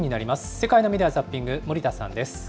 世界のメディア・ザッピング、森田さんです。